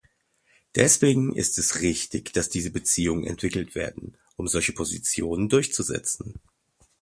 Deswegen ist es richtig, dass diese Beziehungen entwickelt werden, um solche Positionen durchzusetzen.